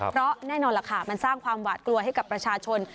เพราะแน่นอนล่ะค่ะมันสร้างความหวาดกลัวให้กับประชาชน